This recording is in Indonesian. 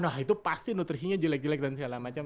wah itu pasti nutrisinya jelek jelek dan segala macem